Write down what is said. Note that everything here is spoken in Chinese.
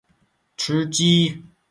吃鸡